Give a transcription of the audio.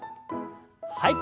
はい。